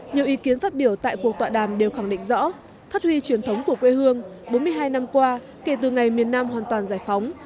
nhiều ý kiến phát biểu tại cuộc tọa đàm đều khẳng định rõ phát huy truyền thống của quê hương bốn mươi hai năm qua kể từ ngày miền nam hoàn toàn giải phóng